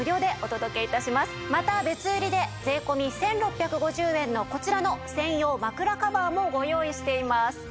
さらにまた別売りで税込１６５０円のこちらの専用枕カバーもご用意しています。